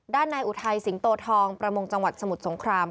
นายอุทัยสิงโตทองประมงจังหวัดสมุทรสงคราม